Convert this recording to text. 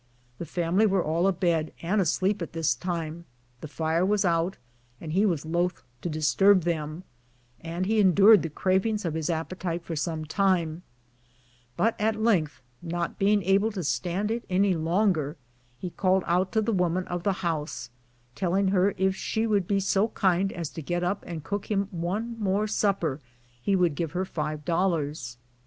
The family were all abed, and asleep at this time ; the fire was out, and he was loth to disturb them, and he endured the cravings of his appetite for some time ; but at length, not being able to stand it any longer, he called out to the woman of the house, telling her if she would be so kind as to get up and cook him one more supper he would give her five dollars.